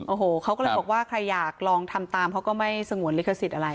โอ้โหเขาก็เลยบอกว่าใครอยากลองทำตามเขาก็ไม่สงวนลิขสิทธิ์อะไร